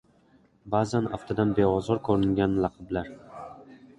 Ba’zan aftidan beozor ko‘ringan laqablar